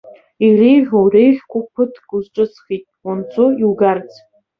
Иреиӷьқәоу-реиӷьқәоу ԥыҭк узҿысхит, уанцо иугарц.